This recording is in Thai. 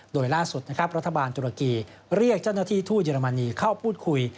โดยล่าสุดรัฐบาลตุรกีเรียกเจ้าหน้าที่ทู้ญญาณมณีเข้าพูดคุย